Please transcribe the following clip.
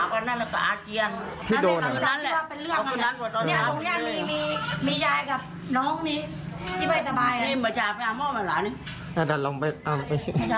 มันมีน่ารนทรงพยาบาลนะครับ